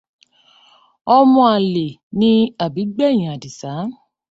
Ọmọ àlè ni àbí gbẹ̀yìn Àdìsá.